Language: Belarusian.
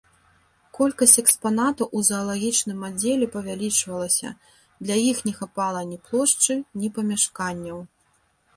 Колькасць экспанатаў у заалагічным аддзеле павялічвалася, для іх не хапала ні плошчы, ні памяшканняў.